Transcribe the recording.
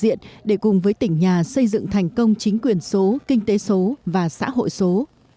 chuyển đổi số đã được thực hiện để cùng với tỉnh nhà xây dựng thành công chính quyền số kinh tế số và xã hội số